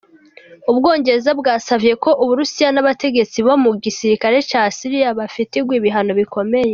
Ubwongereza bwasavye ko Uburusiya n'abategetsi bo mu gisirikare ca Syria bafatigwa ibihano bikomeye.